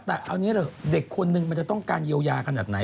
แต่แต่เอานี้ดิเปล่าเด็กคนนึงมันจะต้องการเย็วแยาขนาดไหน